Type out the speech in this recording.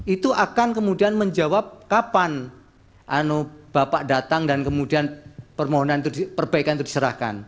itu akan kemudian menjawab kapan bapak datang dan kemudian permohonan itu perbaikan itu diserahkan